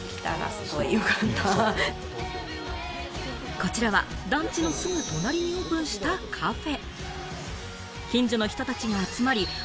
こちらは団地のすぐ隣にオープンしたカフェ。